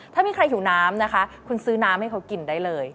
ถ้ามีใครหิวน้ำนะคะคุณซื้อน้ำให้เขากินได้เลย